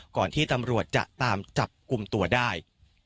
ก่อนที่ตำรวจจะตามจับกลุ่มตัวได้